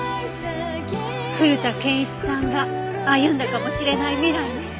古田憲一さんが歩んだかもしれない未来ね。